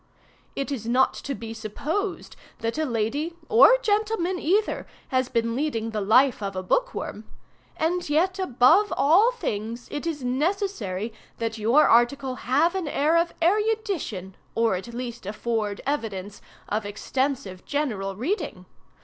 It is not to be supposed that a lady, or gentleman either, has been leading the life of a book worm. And yet above all things it is necessary that your article have an air of erudition, or at least afford evidence of extensive general reading.